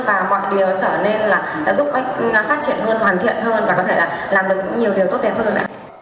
và mọi điều sở nên là giúp khát triển hơn hoàn thiện hơn và có thể là làm được nhiều điều tốt đẹp hơn